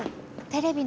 テレビ？